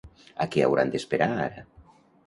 A què hauran d'esperar ara?